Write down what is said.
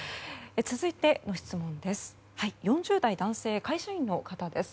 続いての質問です。